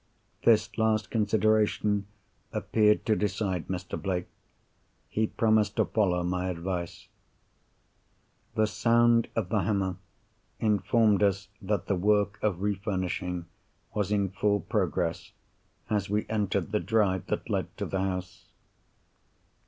This last consideration appeared to decide Mr. Blake. He promised to follow my advice. The sound of the hammer informed us that the work of refurnishing was in full progress, as we entered the drive that led to the house.